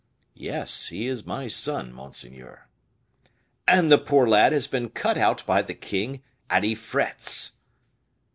"Yes, he is my son, monseigneur." "And the poor lad has been cut out by the king, and he frets."